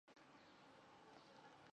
奖项会在决赛日前的夜祭作颁奖。